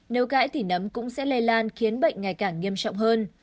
nếu cãi thì nấm cũng sẽ lây lan khiến bệnh ngày càng nghiêm trọng hơn